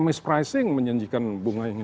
mis pricing menjanjikan bunga ini